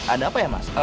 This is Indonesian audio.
ada apa ya mas